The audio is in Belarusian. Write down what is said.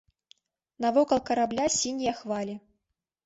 Навокал карабля сінія хвалі.